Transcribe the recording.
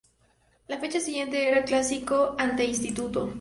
La fecha siguiente era el clásico ante Instituto.